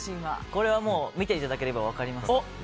これはもう、見ていただければ分かりますね。